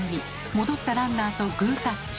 戻ったランナーとグータッチ。